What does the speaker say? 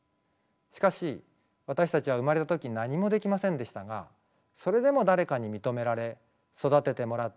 しかし私たちは生まれた時何もできませんでしたがそれでも誰かに認められ育ててもらって今があります。